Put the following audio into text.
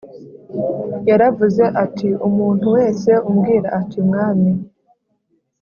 Yaravuze ati umuntu wese umbwira ati mwami